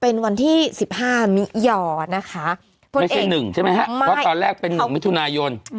เป็นวันที่สิบห้ามินยอนะคะไม่ใช่หนึ่งใช่ไหมฮะเพราะตอนแรกเป็นหนึ่งวิทุนายนอืม